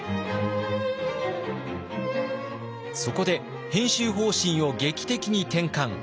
そこで編集方針を劇的に転換。